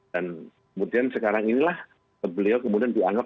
dan kemudian sekarang inilah beliau kemudian dianggap